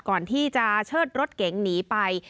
ก่อนที่จะเชิดรถเก๋งหนีไป